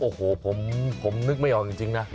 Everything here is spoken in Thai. โอ้โหผมนึกไม่ออกจริงนะ